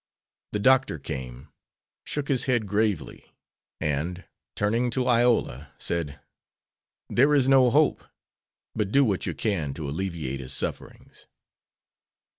The doctor came, shook his head gravely, and, turning to Iola, said, "There is no hope, but do what you can to alleviate his sufferings."